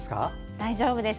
大丈夫です。